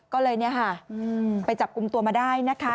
ก็เลยไปจับกลุ่มตัวมาได้นะค่ะ